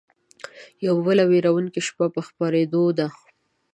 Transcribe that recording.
يوه بله وېرونکې شپه په خپرېدو ده